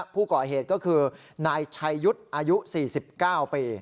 ผู้ก่อเหตุก็คือนายชัยยุทธ์อายุ๔๙ปี